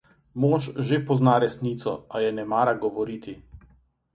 Mož že pozna resnico, a je ne mara govoriti.